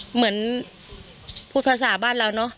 เหมือนพูดภาษาบ้านเราเนอะ